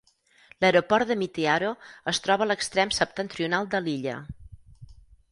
L'Aeroport de Mitiaro es troba a l'extrem septentrional de l'illa.